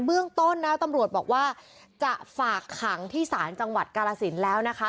เบื้องต้นนะตำรวจบอกว่าจะฝากขังที่ศาลจังหวัดกาลสินแล้วนะคะ